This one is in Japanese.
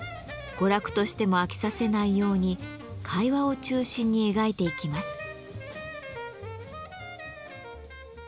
娯楽としても飽きさせないように会話を中心に描いていきます。